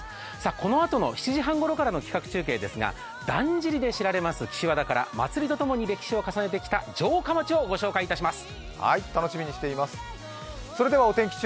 このあとの７時半ごろからの企画中継ですがだんじりで有名な岸和田から祭りとともに歴史を重ねてきた城下町をご紹介いたします。